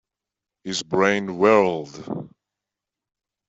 His brain whirled.